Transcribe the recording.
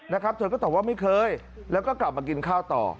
นะครับเธอก็ตอบว่าไม่เคยแล้วก็กลับมากินข้าวต่อ